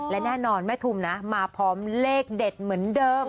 และแน่นอนแม่ทุมนะมาพร้อมเลขเด็ดเหมือนเดิม